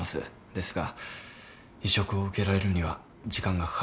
ですが移植を受けられるには時間がかかる。